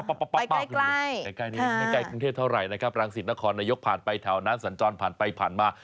ไปใกล้ใกล้ถึงกายกายกลางเทพเทพเท่าไหร่ผ่านไปแถวน้ำสอนจอนผ่านไปผ่านมา